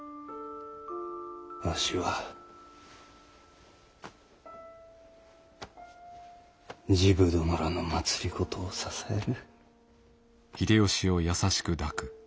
わしは治部殿らの政を支える。